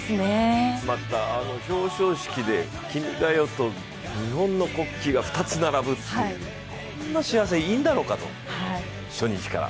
またあの表彰式で「君が代」と日本の国旗が２つ並ぶっていうこんな幸せ、いいんだろうかと、初日から。